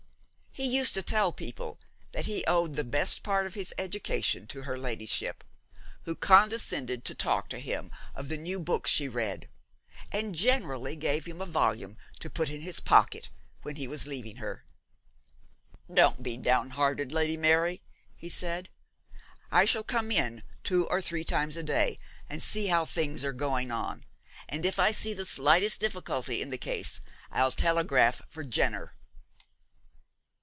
He used to tell people that he owed the best part of his education to her ladyship, who condescended to talk to him of the new books she read, and generally gave him a volume to put in his pocket when he was leaving her. 'Don't be downhearted, Lady Mary,' he said; 'I shall come in two or three times a day and see how things are going on, and if I see the slightest difficulty in the case I'll telegraph for Jenner.'